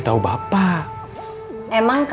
ya terus pulang